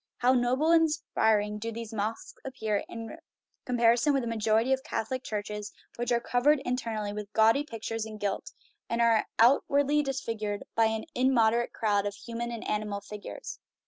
How noble and inspir ing do these mosques appear in comparison with the majority of Catholic churches, which are covered in ternally with gaudy pictures and gilt, and are out THE RIDDLE OF THE UNIVERSE wardly disfigured by an immoderate crowd of human and animal figures!